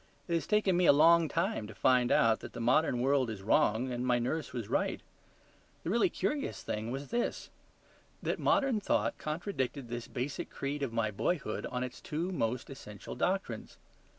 It has taken me a long time to find out that the modern world is wrong and my nurse was right. The really curious thing was this: that modern thought contradicted this basic creed of my boyhood on its two most essential doctrines.